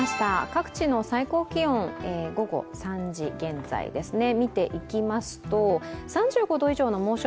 各地の最高気温、午後３時現在ですね。